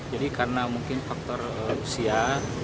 jadi karena mungkin faktor usia